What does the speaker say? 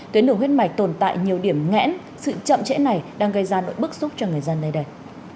tuyến đường huyết mạch tồn tại nhiều điểm ngẽn sự chậm trễ này đang gây ra nỗi bức xúc cho người dân nơi đây